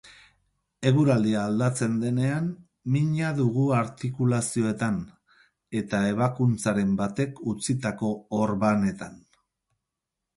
Eguraldia aldatzen denean, mina dugu artikulazioetan, edo ebakuntzaren batek utzitako orbanetan.